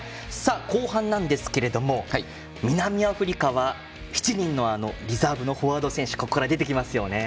後半なんですけれども南アフリカは７人のリザーブのフォワードの選手ここから出てきますよね。